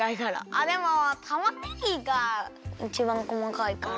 あっでもタマネギがいちばんこまかいかな？